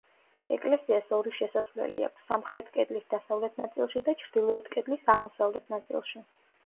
ეკლესიას ორი შესასვლელი აქვს: სამხრეთ კედლის დასავლეთ ნაწილში და ჩრდილოეთ კედლის აღმოსავლეთ ნაწილში.